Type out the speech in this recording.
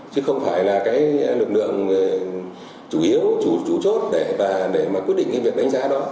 chứ không phải là cái lực lượng chủ yếu chủ chốt để mà quyết định cái việc đánh giá đó